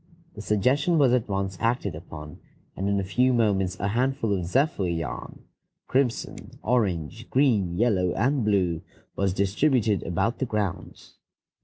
The suggestion was at once acted upon, and in a few moments a handful of zephyr yarn, crimson, orange, green, yellow, and blue, was distributed about the grounds.